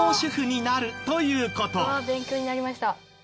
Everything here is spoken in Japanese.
勉強になりました。